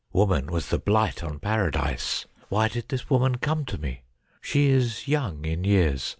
Woman was the blight on Paradise. Why did this woman come to me ? She is young in years.